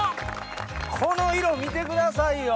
この色見てくださいよ！